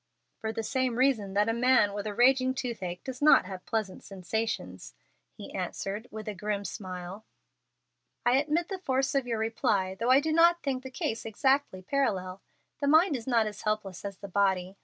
"For the same reason that a man with a raging toothache does not have pleasant sensations," he answered, with a grim smile. "I admit the force of your reply, though I do not think the case exactly parallel. The mind is not as helpless as the body.